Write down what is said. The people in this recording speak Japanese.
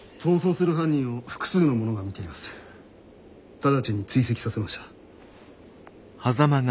直ちに追跡させました。